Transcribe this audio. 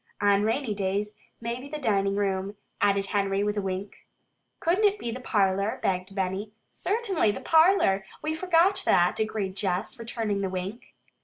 "On rainy days, maybe the dining room," added Henry with a wink. "Couldn't it be the parlor?" begged Benny. "Certainly, the parlor! We forgot that," agreed Jess, returning the wink.